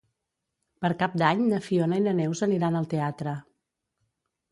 Per Cap d'Any na Fiona i na Neus aniran al teatre.